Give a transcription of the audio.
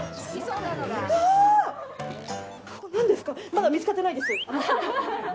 まだ見つかってないです。